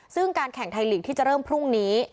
ซึ่งการแข่งไทยลีกที่จะเริ่มพรุ่งนี้